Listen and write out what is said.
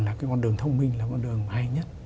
là cái con đường thông minh là con đường hay nhất